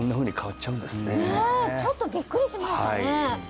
ちょっとビックリしましたね